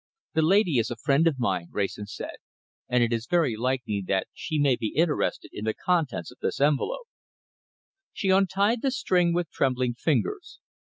"The lady is a friend of mine," Wrayson said, "and it is very likely that she may be interested in the contents of this envelope." She untied the string with trembling fingers.